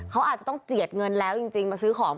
เขาอาจจะต้องเจียดเงินแล้วจริงมาซื้อของ